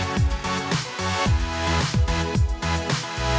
ดูตัวดอดอ่ะ